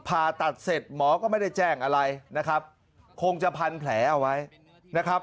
ผ่าตัดเสร็จหมอก็ไม่ได้แจ้งอะไรนะครับคงจะพันแผลเอาไว้นะครับ